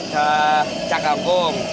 cah cah kabung